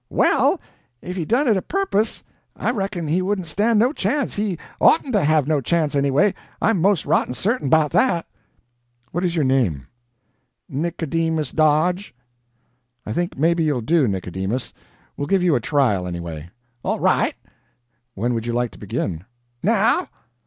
"Well, if he done it a purpose, I reckon he wouldn't stand no chance he OUGHTN'T to have no chance, anyway, I'm most rotten certain 'bout that." "What is your name?" "Nicodemus Dodge." "I think maybe you'll do, Nicodemus. We'll give you a trial, anyway." "All right." "When would you like to begin?" "Now."